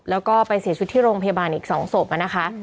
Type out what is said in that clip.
แล้วก็ไปเสียชีวิตที่โรงพยาบาลอีก๒ศพนะคะ